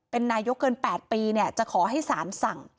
เป็นนายกเกิน๘ปีจะขอให้สารสั่ง